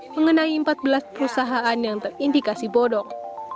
mengenai empat belas perusahaan yang terindikasi bodong